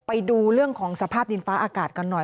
ไปดูเรื่องของสภาพดินฟ้าอากาศกันหน่อย